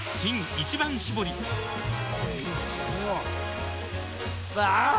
「一番搾り」あぁー！